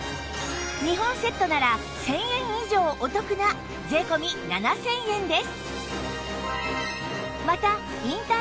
２本セットなら１０００円以上お得な税込７０００円です